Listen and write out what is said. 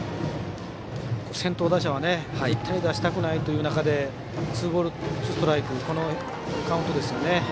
先頭打者は絶対出したくないという中でツーボールツーストライクという、このカウントですね。